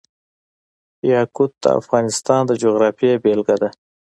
یاقوت د افغانستان د جغرافیې بېلګه ده.